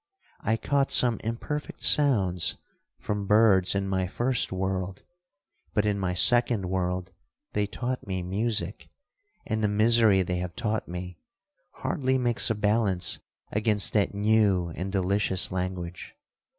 I caught some imperfect sounds from birds in my first world, but in my second world they taught me music; and the misery they have taught me, hardly makes a balance against that new and delicious language.'